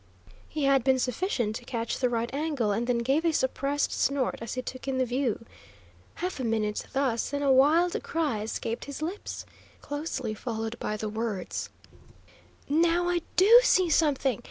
He had seen sufficient to catch the right angle, and then gave a suppressed snort as he took in the view. Half a minute thus, then a wild cry escaped his lips, closely followed by the words: "Now I DO see something!